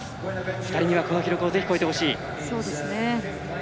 ２人にはこの記録をぜひ超えてほしい。